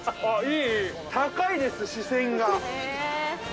◆高いです、視線が。